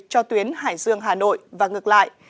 cho tuyến hải dương hà nội và ngược lại